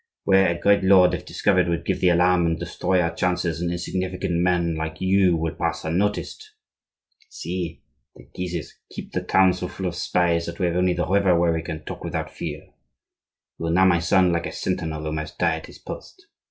Where a great lord, if discovered, would give the alarm and destroy our chances, an insignificant man like you will pass unnoticed. See! The Guises keep the town so full of spies that we have only the river where we can talk without fear. You are now, my son, like a sentinel who must die at his post.